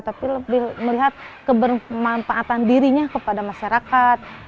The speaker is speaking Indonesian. tapi lebih melihat kebermanfaatan dirinya kepada masyarakat